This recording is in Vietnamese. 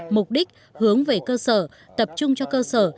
mục đích hướng về cơ sở tập trung cho cơ sở